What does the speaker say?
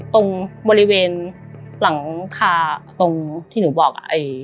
ตรงบริเวณหลังคาตรงที่หนูบอก